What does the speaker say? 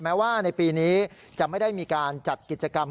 แม้ว่าในปีนี้จะไม่ได้มีการจัดกิจกรรม